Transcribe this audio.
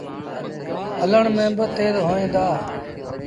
هلڻ ميݩ با تيز هوئيݩ دآ ۔